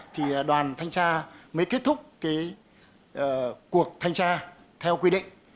thì đoàn thanh tra mới kết thúc cuộc thanh tra theo quy định